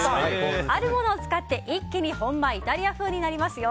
あるものを使って、一気に本場イタリア風になりますよ。